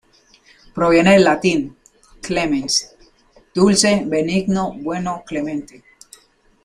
Proviene del latín "clemens", "dulce, benigno, bueno, clemente".